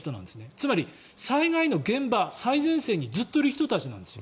つまり災害の現場、最前線にずっといる人たちなんですよ。